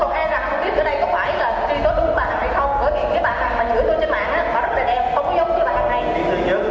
cái clip mày đi giám định như vậy là giám định của nửa sự thân